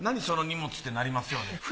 その荷物」ってなりますよね。